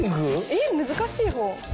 えっ難しいほう？